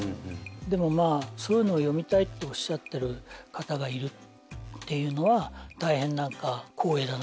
でもそういうのを読みたいっておっしゃってる方がいるっていうのは大変光栄だなと思います。